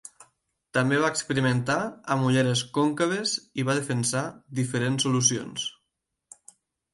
També va experimentar amb ulleres còncaves i va defensar diferents solucions.